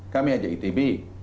kami ajak itb